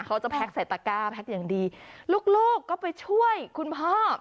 เขาจะใส่ตาก้าแพ็กอย่างดีลูกก็ไปช่วยคุณพ่อเออ